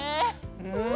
うん！